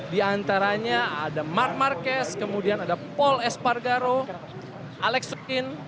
di antaranya ada mark marquez kemudian ada paul espargaro alexikin